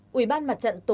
quỹ cứu trợ